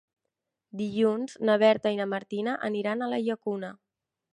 Dilluns na Berta i na Martina aniran a la Llacuna.